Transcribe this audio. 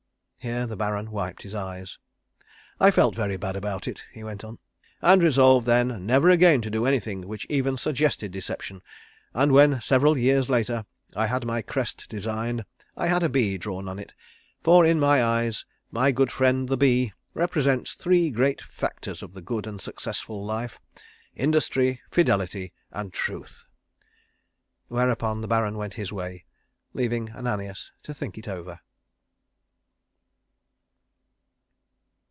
Here the Baron wiped his eyes. "I felt very bad about it," he went on, "and resolved then never again to do anything which even suggested deception, and when several years later I had my crest designed I had a bee drawn on it, for in my eyes my good friend the bee, represents three great factors of the good and successful life Industry, Fidelity, and Truth." Whereupon the Baron went his way, leaving Ananias to think it over.